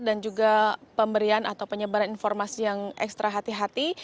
dan juga pemberian atau penyebaran informasi yang ekstra hati hati